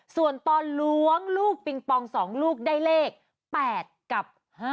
ส่วนตอนล้วงลูกปิงปอง๒ลูกได้เลข๘กับ๕๗